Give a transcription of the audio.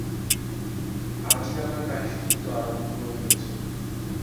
আজই আমার প্রায়শ্চিত্ত আরম্ভ হয়েছে।